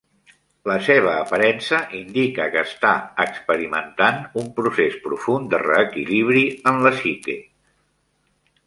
La seva aparença indica que està experimentant un procés profund de reequilibri en la psique.